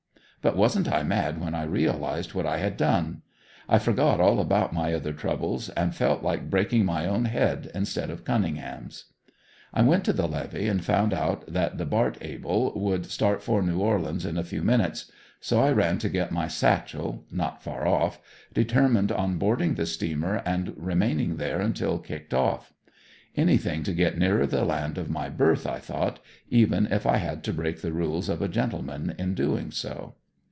But wasn't I mad when I realized what I had done! I forgot all about my other troubles and felt like breaking my own head instead of Cunningham's. I went to the levee and found out that the "Bart Able" would start for New Orleans in a few minutes, so I ran to get my satchel, not far off, determined on boarding the steamer and remaining there until kicked off. Anything to get nearer the land of my birth, I thought, even if I had to break the rules of a gentleman in doing so.